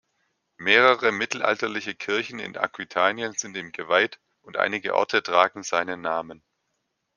Mehrere mittelalterliche Kirchen in Aquitanien sind ihm geweiht und einige Orte tragen seinen Namen.